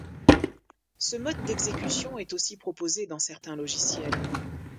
Ce mode d'exécution est aussi proposé dans certains logiciels.